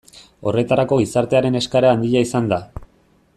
Horretarako gizartearen eskaera handia izan da.